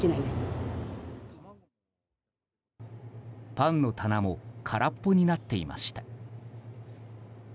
パンの棚も空っぽになっていました。